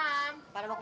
iya bentar lagi